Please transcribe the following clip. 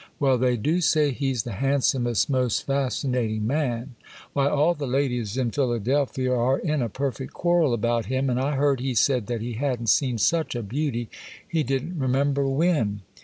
Well, they do say he's the handsomest, most fascinating man; why, all the ladies in Philadelphia are in a perfect quarrel about him; and I heard he said that he hadn't seen such a beauty, he didn't remember when.